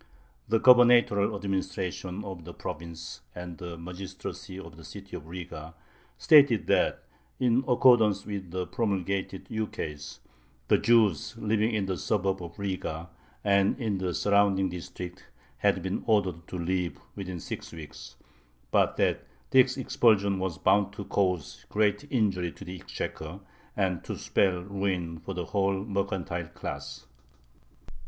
The gubernatorial administration of the province and the magistracy of the city of Riga stated that, in accordance with the promulgated ukase, the Jews living in the suburb of Riga and in the surrounding district had been ordered to leave within six weeks, but that this expulsion was bound to cause great injury to the exchequer and to spell ruin for the whole mercantile class.